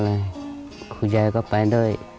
ไปกับหมอบ้านเลยคุณเจ๋ยก็ไปด้วย